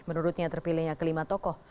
menurutnya terpilihnya kelima tokoh